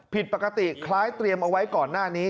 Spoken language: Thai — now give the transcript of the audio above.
ผิดปกติคล้ายเตรียมเอาไว้ก่อนหน้านี้